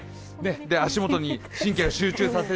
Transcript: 足元に神経を集中させる。